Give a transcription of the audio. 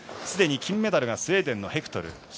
すでに金メダルがスウェーデンのヘクトル。